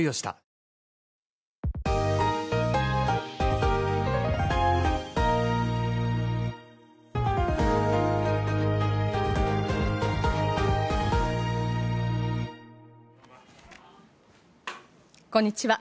こんにちは。